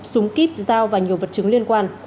súng kíp dao và nhiều vật chứng liên quan